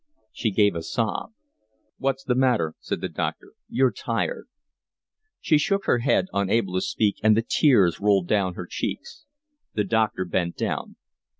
She gave a sob. "What's the matter?" said the doctor. "You're tired." She shook her head, unable to speak, and the tears rolled down her cheeks. The doctor bent down.